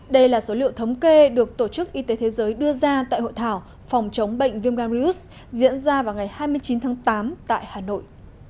đây là số liệu thống kê được tổ chức y tế thế giới đưa ra tại hội thảo phòng chống bệnh viêm gan virus diễn ra vào ngày hai mươi chín tháng tám tại hà nội